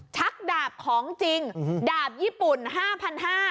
ชักดาบของจริงดาบญี่ปุ่น๕๕๐๐บาท